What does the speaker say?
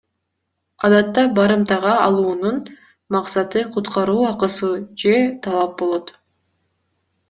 Адатта барымтага алуунун максаты куткаруу акысы же талап болот.